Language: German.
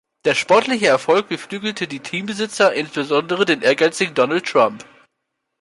Der sportliche Erfolg beflügelte die Teambesitzer, insbesondere den ehrgeizigen Donald Trump.